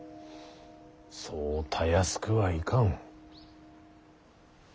そうたやすくはいかん。